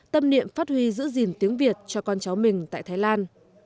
tâm niệm phát huy giữ gìn tiếng việt cho con cháu mình tại thái lan